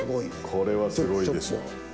これはすごいでしょ。